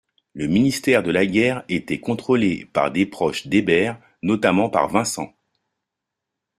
Le Ministère de la Guerre était contrôlé par des proches d'Hébert, notamment par Vincent.